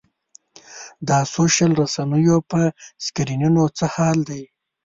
دا سوشل رسنیو په سکرینونو څه حال دی.